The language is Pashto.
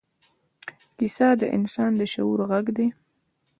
کیسه د انسان د شعور غږ دی.